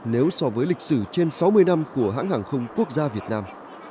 nếu so với lịch sử trên sáu mươi năm của hãng hàng không quốc gia việt nam